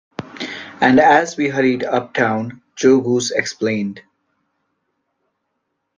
And as we hurried up town, Joe Goose explained.